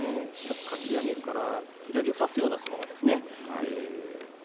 かち上げから左を差すような相撲ですね。